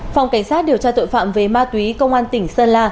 phòng cảnh sát điều tra tội phạm về ma túy công an tỉnh sơn la